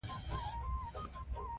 ایوب خان په هوښیارۍ نه پوهېدل.